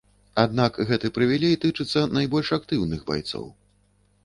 Аднак гэты прывілей тычыцца найбольш актыўных байцоў.